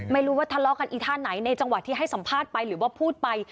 ไม่รู้ว่าทะเลาะกันอีท่าไหนในจังหวะที่ให้สัมภาษณ์ไปหรือว่าพูดไป